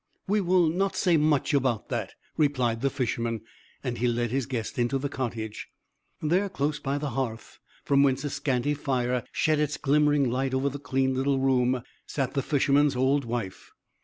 "We will not say much about that," replied the Fisherman; and he led his guest into the cottage. There, close by the hearth, from whence a scanty fire shed its glimmering light over the clean little room, sat the Fisherman's old wife.